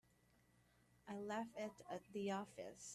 I left it at the office.